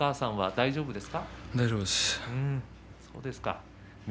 大丈夫です。